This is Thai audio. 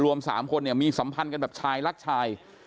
รวม๓คนเนี่ยมีสัมพันธ์กันแบบชายรักชาย